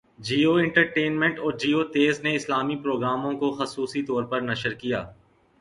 Jio entertainment اور جیو تیز نے اسلامی پروگراموں کو خصوصی طور پر نشر کیا